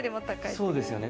そうですよね。